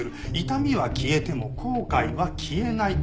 痛みは消えても後悔は消えない。